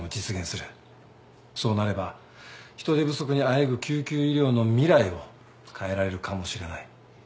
そうなれば人手不足にあえぐ救急医療の未来を変えられるかもしれない。